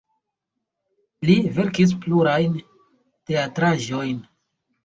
Li verkis plurajn teatraĵojn.